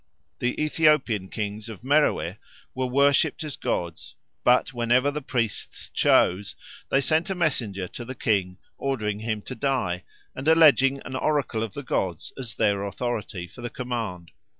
The Ethiopian kings of Meroe were worshipped as gods; but whenever the priests chose, they sent a messenger to the king, ordering him to die, and alleging an oracle of the gods as their authority for the command.